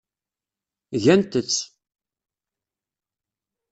Gant-tt.